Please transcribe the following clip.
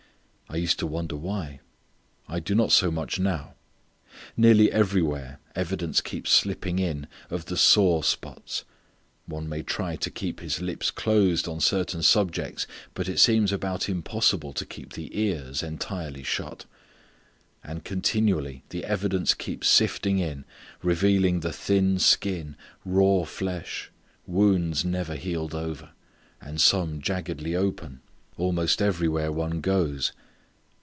I used to wonder why. I do not so much now. Nearly everywhere evidence keeps slipping in of the sore spots. One may try to keep his lips closed on certain subjects, but it seems about impossible to keep the ears entirely shut. And continually the evidence keeps sifting in revealing the thin skin, raw flesh, wounds never healed over, and some jaggedly open, almost everywhere one goes.